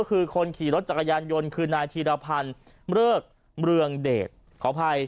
ก็คือคนขี่รถจักรยานยนต์คือนายธีรพันธ์เริกเมืองเดชขออภัย